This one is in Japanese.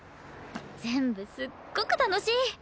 全部すっごく楽しい。